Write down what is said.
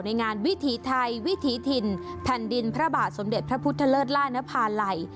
งานวิถีไทยวิถีถิ่นแผ่นดินพระบาทสมเด็จพระพุทธเลิศล่านภาลัย